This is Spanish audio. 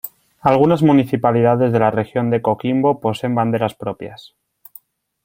Algunas municipalidades de la Región de Coquimbo poseen banderas propias.